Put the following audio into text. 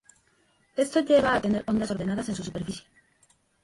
Esto lleva a tener ondas ordenadas en su superficie.